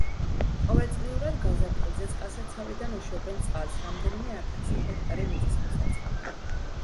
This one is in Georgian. ყოველწლიურად გაზაფხულზე წყალსაცავიდან უშვებენ წყალს რამდენიმე ათასი ჰექტარი მიწის მოსარწყავად.